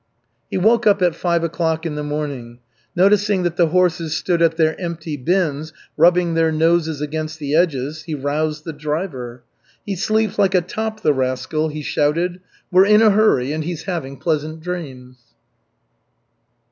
He woke up at five o'clock in the morning. Noticing that the horses stood at their empty bins rubbing their noses against the edges, he roused the driver. "He sleeps like a top, the rascal," he shouted. "We're in a hurry, and he's having pleasant dreams."